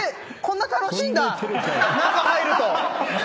中入ると。